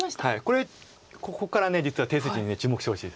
これここから実は手筋に注目してほしいです。